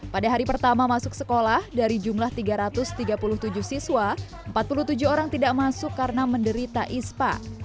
pada hari pertama masuk sekolah dari jumlah tiga ratus tiga puluh tujuh siswa empat puluh tujuh orang tidak masuk karena menderita ispa